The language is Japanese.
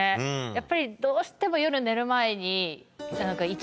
やっぱりどうしても夜寝る前に。